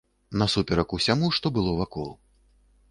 Насуперак усяму, што было вакол.